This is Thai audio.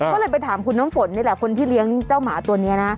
ก็เลยไปถามคุณน้ำฝนนี่แหละคนที่เลี้ยงเจ้าหมาตัวนี้นะ